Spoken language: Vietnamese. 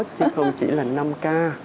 chứ không chỉ là năm k